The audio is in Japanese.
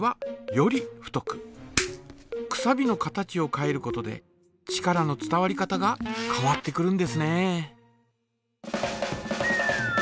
くさびの形を変えることで力の伝わり方が変わってくるんですね。